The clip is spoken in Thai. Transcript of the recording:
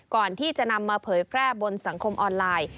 ก่อนที่จะนำมาเผยแพร่บนสังคมออนไลน์